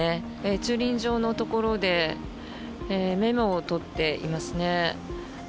駐輪場のところでメモを取っていますね。